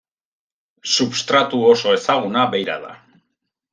Substratu oso ezaguna beira da.